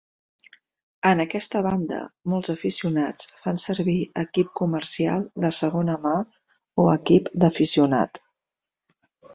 En aquesta banda, molts aficionats fan servir equip comercial de segona mà o equip d'aficionat.